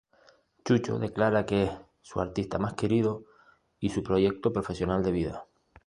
Chucho declara que es su artista más querido, y su proyecto profesional de vida.